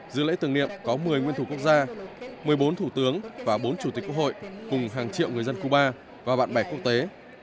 dự lễ tưởng niệm có một mươi nguyên thủ quốc gia một mươi bốn thủ tướng và bốn chủ tịch quốc hội cùng hàng triệu người dân cuba và bạn bè quốc tế